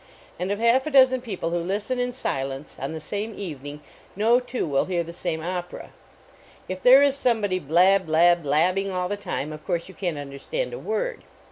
And of half a dozen people who listen in silence, on the same evening, no two will hear the same opera. If there is somebody blab, blab, blabbing all the time, of course you can t un derstand a word.